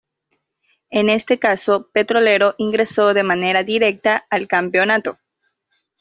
En este caso Petrolero ingresó de manera directa al campeonato.